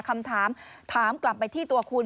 คำถามถามกลับไปที่ตัวคุณ